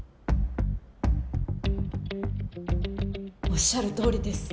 おっしゃるとおりです。